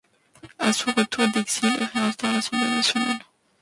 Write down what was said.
À son retour d'exil, il réinstaure l'Assemblée nationale.